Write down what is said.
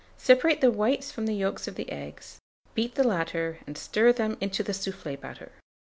Separate the whites from the yolks of the eggs, beat the latter, and stir them into the soufflé batter.